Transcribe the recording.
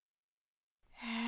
え？